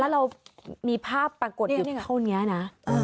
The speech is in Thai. แล้วเรามีภาพปรากฏอยู่เท่านี้นะ